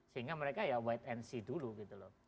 sehingga mereka ya wait and see dulu gitu loh